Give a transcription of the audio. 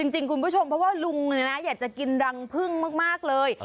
จริงคุณผู้ชมเพราะว่าลุงอยากจะกินรังพึ่งมากเลย